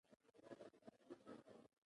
زموږ د بریځر ټکله هره ورځ ناوخته وي.